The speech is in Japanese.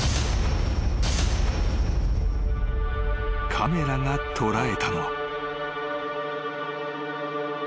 ［カメラが捉えたのは］